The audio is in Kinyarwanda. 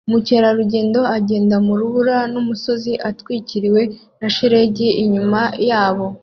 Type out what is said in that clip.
Umukerarugendo agenda mu rubura n'umusozi utwikiriwe na shelegi inyuma yabo